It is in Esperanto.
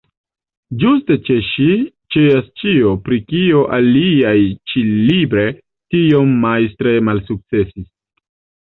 Ĝuste ĉe ŝi ĉeas ĉio, pri kio aliaj ĉi-libre tiom majstre malsukcesis.